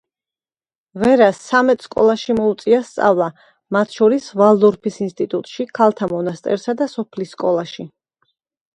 ვერას ცამეტ სკოლაში მოუწია სწავლა, მათ შორის, ვალდორფის ინსტიტუტში, ქალთა მონასტერსა და სოფლის სკოლაში.